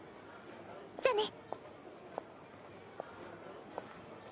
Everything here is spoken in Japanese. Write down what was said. じゃあね。